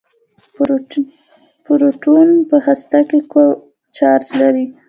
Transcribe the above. پروټون په هسته کې کوم چارچ لري.